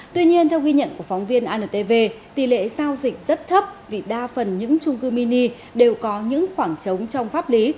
tuy nhiên theo ghi nhận của phóng viên antv tỷ lệ giao dịch rất thấp vì đa phần những trung cư mini đều có những khoảng trống trong pháp lý